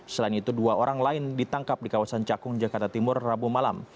selain itu dua orang lain ditangkap di kawasan cakung jakarta timur rabu malam